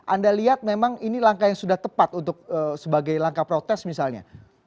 anda lihat memang ini langkah yang sudah tepat untuk sebagai langkah protes misalnya